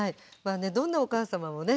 どんなお母様もね